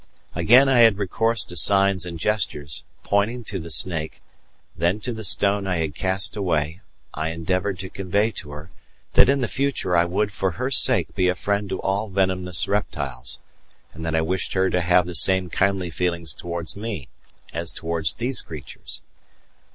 Again I had recourse to signs and gestures; pointing to the snake, then to the stone I had cast away, I endeavoured to convey to her that in the future I would for her sake be a friend to all venomous reptiles, and that I wished her to have the same kindly feelings towards me as towards these creatures.